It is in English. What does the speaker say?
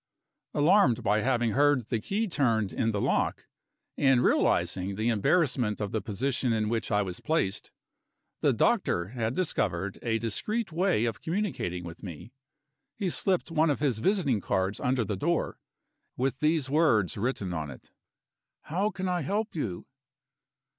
Alarmed by having heard the key turned in the lock, and realizing the embarrassment of the position in which I was placed, the doctor had discovered a discreet way of communicating with me. He slipped one of his visiting cards under the door, with these words written on it: "How can I help you?"